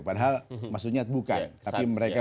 padahal maksudnya bukan tapi mereka